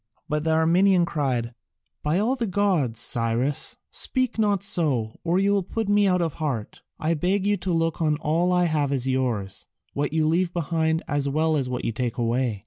But the Armenian cried, "By all the gods, Cyrus, speak not so, or you will put me out of heart. I beg you to look on all I have as yours, what you leave behind as well as what you take away."